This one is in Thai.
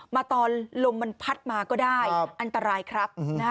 มาตอนลมมันพัดมาก็ได้อันตรายครับ